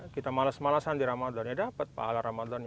kita males malesan di ramadan